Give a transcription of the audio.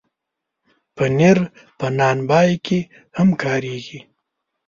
پنېر په نان بای کې هم کارېږي.